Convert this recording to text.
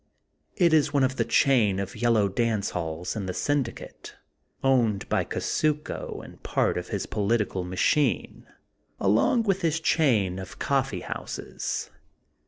It is one of the chain of Yellow dance halls in the syndicate owned by Kusuko and part of his political machine, along with his chain of Coffee houses.